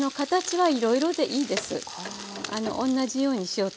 はい。